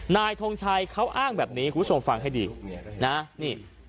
ทงชัยเขาอ้างแบบนี้คุณผู้ชมฟังให้ดีนะนี่